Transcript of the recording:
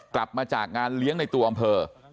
กลับมาจากงานเลี้ยงในตัวอำเภอ